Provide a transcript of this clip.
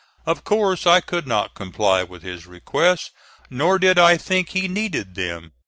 Of course I could not comply with his request, nor did I think he needed them.